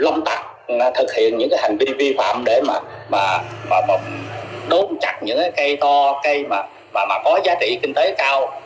lông tặc thực hiện những hành vi vi phạm để mà đốn chặt những cây to cây mà có giá trị kinh tế cao